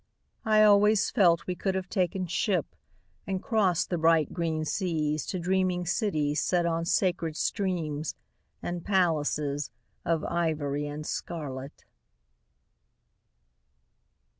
I always felt we could have taken ship And crossed the bright green seas To dreaming cities set on sacred streams And palaces Of ivory and scarlet.